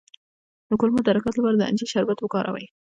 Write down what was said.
د کولمو د حرکت لپاره د انجیر شربت وکاروئ